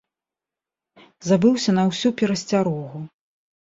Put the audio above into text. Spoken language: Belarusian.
Забыўся на ўсю перасцярогу.